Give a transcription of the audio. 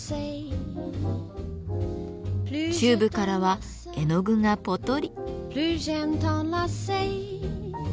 チューブからは絵の具がぽとり。